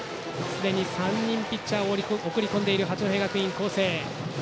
すでに３人ピッチャーを送り込んでいる八戸学院光星。